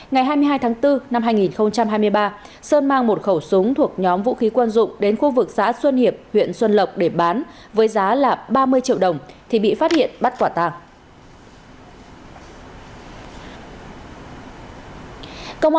ngày hai mươi hai tháng bốn năm hai nghìn hai mươi ba sơn mang một khẩu súng thuộc nhóm vũ khí quân dụng đến khu vực xã xuân hiệp huyện xuân lộc để bán với giá ba mươi triệu đồng thì bị phát hiện bắt quả tàng